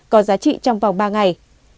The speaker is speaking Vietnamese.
có giá trị trong vòng ba ngày